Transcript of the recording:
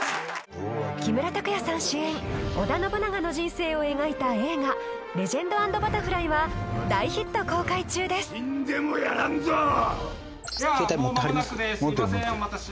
木村拓哉さん主演織田信長の人生を描いた映画「レジェンド＆バタフライ」は大ヒット公開中ですではもうまもなくです